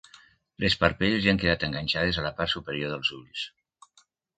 Les parpelles li han quedat enganxades a la part superior dels ulls.